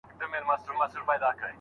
بې هدفه واده کول د هيچا په ګټه ندی.